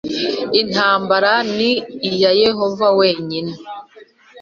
intambara ni iya Yehova wenyine